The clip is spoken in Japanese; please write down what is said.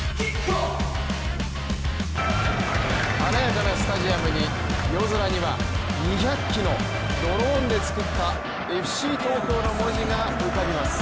華やかなスタジアムに夜空には２００機のドローンで作ったＦＣ東京の文字が浮かびます。